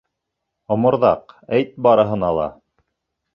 Оморҙаҡ, әйт барыһына ла!